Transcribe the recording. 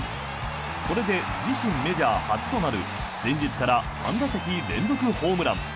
これで自身メジャー初となる前日から３打席連続ホームラン。